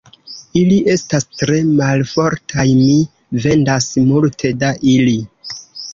Ili estas tre malfortaj; mi vendas multe da ili.